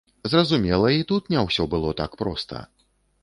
Зразумела, і тут не ўсё было так проста.